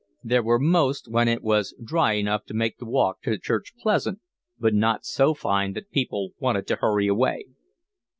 There were most when it was dry enough to make the walk to church pleasant, but not so fine that people wanted to hurry away.